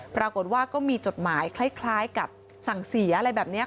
ปรากฏว่าก็มีจดหมายคล้ายกับสั่งเสียอะไรแบบนี้